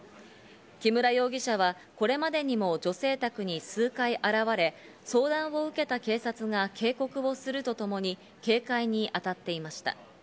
木村容疑者はこれまでにも女性宅に数回現れ、相談を受けた警察が警告をするとともに警戒に当たっていました。